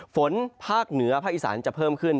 ภาคเหนือภาคอีสานจะเพิ่มขึ้น